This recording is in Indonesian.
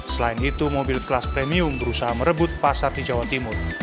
selain itu mobil kelas premium berusaha merebut pasar di jawa timur